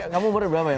kamu umur berapa ya